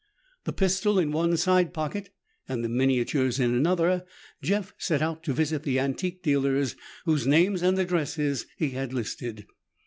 The pistol in one side pocket and the miniatures in another, Jeff set out to visit the antique dealers whose names and addresses he had listed.